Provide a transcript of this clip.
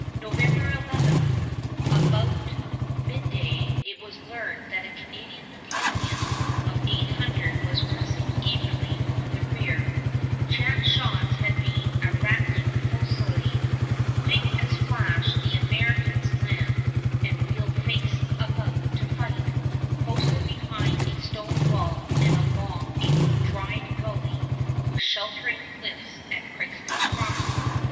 November 11, about midday, it was learned that a Canadian battalion of eight hundred was pressing eagerly on the rear. Chance shots became a rattling fusillade. Quick as flash the Americans land and wheel face about to fight, posted behind a stone wall and along a dried gully with sheltering cliffs at Chrysler's Farm.